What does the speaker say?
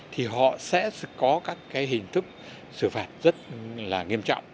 thì họ sẽ có các cái hình thức xử phạt rất là nghiêm trọng